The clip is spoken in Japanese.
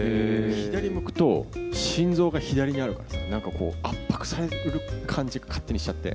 左向くと、心臓が左にあるからさ、なんか圧迫されてる感じが勝手にしちゃって。